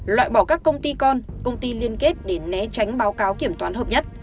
loại bỏ các công ty con công ty liên kết để né tránh báo cáo kiểm toán hợp nhất